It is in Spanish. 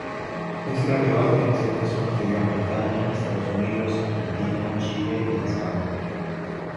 Es relevante en ciertas zonas de Gran Bretaña, Estados Unidos, Argentina, Chile y España.